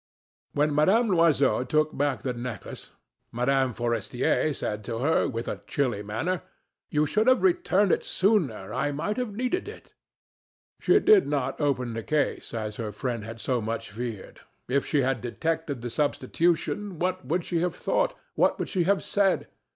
When Mme. Loisel took back the necklace, Mme. Forestier said to her, with a chilly manner: "You should have returned it sooner, I might have needed it." She did not open the case, as her friend had so much feared. If she had detected the substitution, what would she have thought, what would she have said?